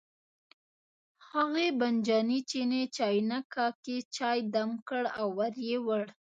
هغې بانجاني چیني چاینکه کې چای دم کړ او ور یې وړ.